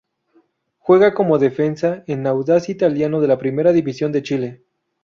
Juega como defensa en Audax Italiano de la Primera División de Chile.